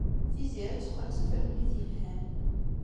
Tiziri ad teqqel d tafremlit yelhan.